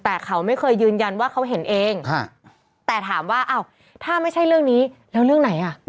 แต่เขาไม่เคยยืนยันว่าเขาเห็นเองแต่ถามว่าอ้าวถ้าไม่ใช่เรื่องนี้แล้วเรื่องไหนอ่ะ